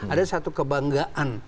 ada satu kebanggaan